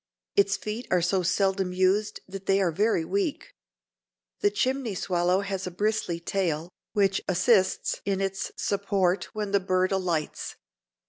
Its feet are so seldom used that they are very weak. The chimney swallow has a bristly tail, which assists in its support when the bird alights.